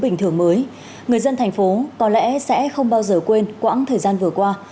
những người dân thành phố có lẽ sẽ không bao giờ quên quãng thời gian vừa qua